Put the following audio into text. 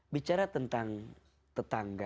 bicara tentang tetangga